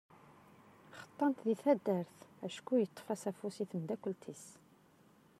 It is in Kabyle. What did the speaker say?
Xeṭṭan-t di taddart acku yeṭṭef-as afus i temdakelt-is.